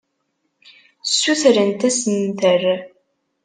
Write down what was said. Ssutrent assemter.